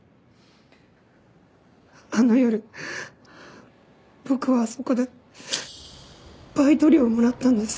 あの夜僕はあそこでバイト料をもらったんです。